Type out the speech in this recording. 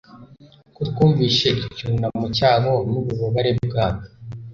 ko twumvise icyunamo cyabo nububabare bwabo